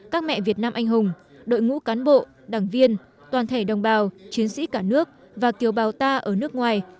các mẹ việt nam anh hùng đội ngũ cán bộ đảng viên toàn thể đồng bào chiến sĩ cả nước và kiều bào ta ở nước ngoài